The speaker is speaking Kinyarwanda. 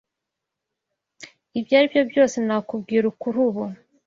Ibyo aribyo byose nakubwira kuri ubu.